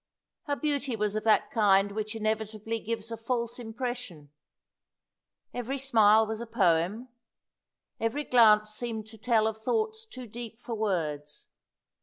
Her beauty was of that kind which inevitably gives a false impression. Every smile was a poem; every glance seemed to tell of thoughts too deep for words.